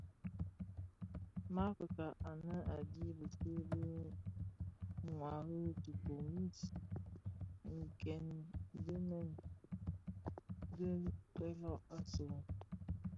Ma fitsa anë a dhi bisi bi ňwari tibomis nken kimèn dhi toilag asu,